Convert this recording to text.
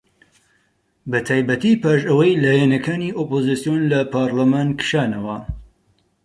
بەتایبەتی پاش ئەوەی لایەنەکانی ئۆپۆزسیۆن لە پەرلەمان کشانەوە